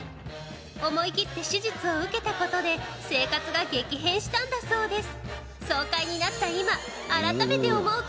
思い切って手術を受けたことで生活が激変したんだそうです。